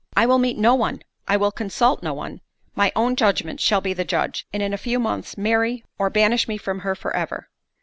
"I will meet no one—I will consult no one—my own judgment shall be the judge, and in a few months marry, or—banish me from her for ever."